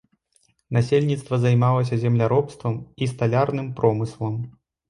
Насельніцтва займалася земляробствам і сталярным промыслам.